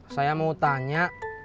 saya mau tanya